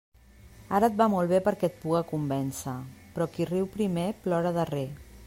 Ara et va molt bé perquè et puga convèncer: però qui riu primer, plora darrer.